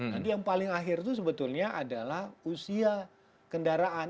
yang paling akhir itu sebetulnya adalah usia kendaraan